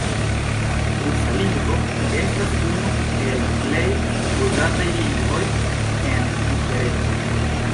Rusa lingvo estas unu el plej uzataj lingvoj en interreto.